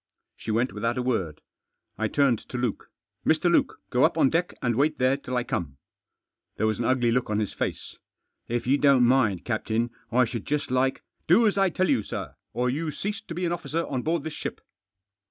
She went without a word. I turned to Luke. " Mr. Luke, go up on deck, and wait there till I come." There was an ugly look on his face. " If you don't mind, captain, I should just like i) " Do as I tell you, sir or you cease to be an officer on board this ship."